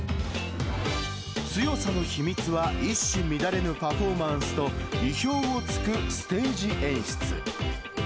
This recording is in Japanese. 強さの秘密は、一糸乱れぬパフォーマンスと、意表をつくステージ演出。